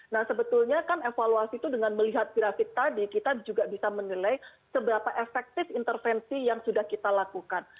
nah sebetulnya kan evaluasi itu dengan melihat grafik tadi kita juga bisa menilai seberapa efektif intervensi yang sudah kita lakukan